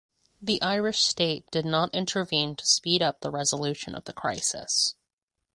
The Irish state did not intervene to speed up the resolution of the crisis.